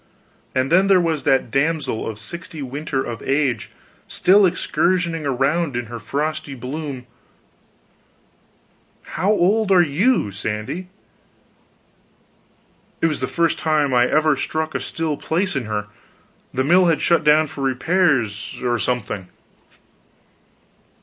And then there was that damsel of sixty winter of age still excursioning around in her frosty bloom How old are you, Sandy?" It was the first time I ever struck a still place in her. The mill had shut down for repairs, or something.